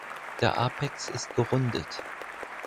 Der Apex ist gerundet.